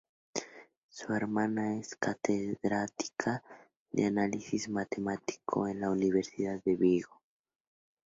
Su hermana es catedrática de Análisis Matemático en la Universidad de Vigo.